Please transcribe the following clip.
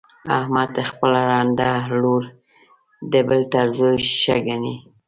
احمد خپله ړنده لور د بل تر زوی ښه ګڼي.